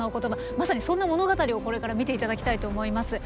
まさにそんな物語をこれから見て頂きたいと思います。